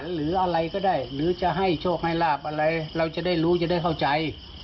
เฮ้ยจะรอกให้